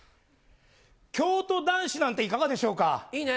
京都男子なんて、いかがでしいいね。